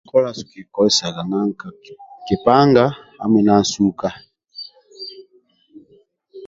Ka kokola kikikozesaga kipanga hamui na nsuka